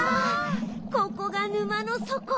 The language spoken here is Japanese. ここが沼のそこ？